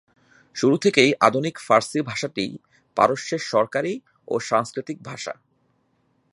শুরু থেকেই আধুনিক ফার্সি ভাষাটি পারস্যের সরকারি ও সাংস্কৃতিক ভাষা।